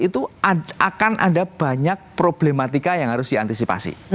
itu akan ada banyak problematika yang harus diantisipasi